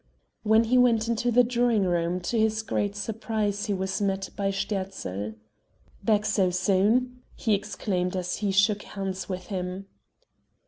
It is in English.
When he went into the drawing room to his great surprise he was met by Sterzl. "Back so soon?" he exclaimed as he shook hands with him.